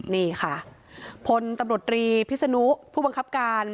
นี่ค่ะพลตำรวจรีพิศนุผู้บังคับการ